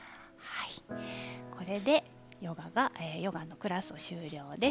これでヨガのクラスは終了です。